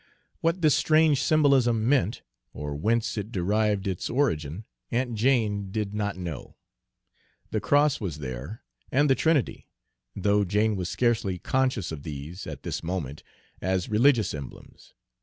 What this strange symbolism meant, or whence it derived its origin, Aunt Jane did not know. The cross was there, and the Trinity, though Jane was scarcely conscious of these, at this moment, as religious emblems.